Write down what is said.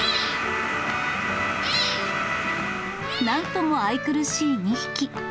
なんとも愛くるしい２匹。